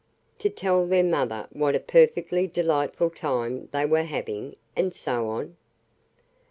To tell their mother what a perfectly delightful time they were having, and so on.